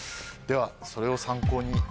ではそれを参考に。